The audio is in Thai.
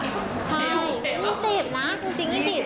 ใช่๒๐นะจริง๒๐